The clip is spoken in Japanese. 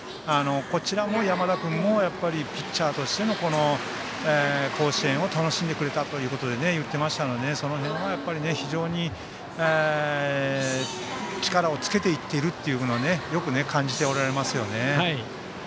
こちらも山田君もピッチャーとして甲子園を楽しんでくれたということを言っていましたのでその辺は非常に力をつけていっているとよく感じておられますね。